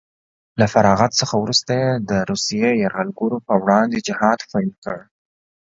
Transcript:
له فراغت څخه وروسته یې د روسیې یرغلګرو په وړاندې جهاد پیل کړ